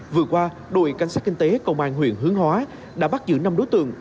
vừa qua đội cảnh sát kinh tế công an huyện hướng hóa đã bắt giữ năm đối tượng